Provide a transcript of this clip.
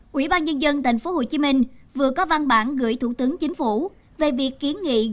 hội đồng nhân dân tp hcm vừa có văn bản gửi thủ tướng chính phủ về việc kiến nghị